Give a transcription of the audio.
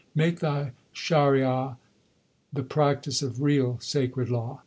Make thy shariat the practice of real sacred law.